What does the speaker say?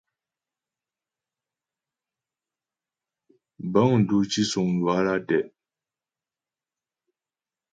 Bəŋ dù tǐsuŋ Duala tɛ'.